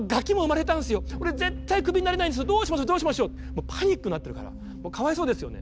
もうパニックになってるからもうかわいそうですよね。